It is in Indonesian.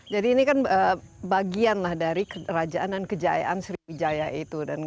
jadi ini kan bagian lah dari kerajaan dan kejayaan sriwijaya itu